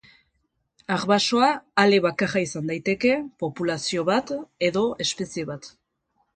Arbasoa ale bakarra izan daiteke, populazio bat edo espezie bat.